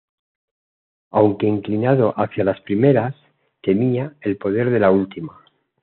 Aunque inclinado hacia las primeras, temía el poder de la última.